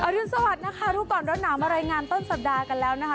รุนสวัสดิ์นะคะรู้ก่อนร้อนหนาวมารายงานต้นสัปดาห์กันแล้วนะคะ